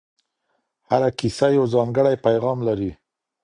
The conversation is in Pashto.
هره کیسه یو ځانګړی پیغام لري.